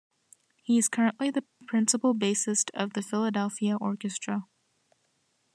He is currently the principal bassist of the Philadelphia Orchestra.